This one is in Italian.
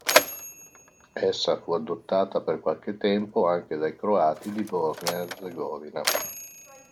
Essa fu adottata per qualche tempo anche dai croati di Bosnia ed Erzegovina.